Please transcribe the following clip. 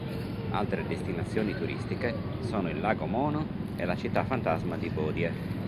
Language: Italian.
Altre destinazioni turistiche sono il Lago Mono e la Città fantasma di Bodie.